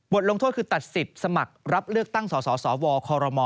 ลงโทษคือตัดสิทธิ์สมัครรับเลือกตั้งสสวคม